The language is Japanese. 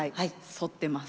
反ってます。